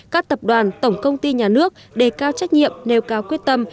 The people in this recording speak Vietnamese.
các tập đoàn tổng công ty nhà nước đề cao trách nhiệm nêu cao quyết tâm